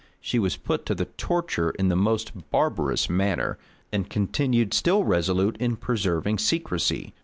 She was put to the torture in the most barbarous manner, and continued still resolute in preserving secrecy.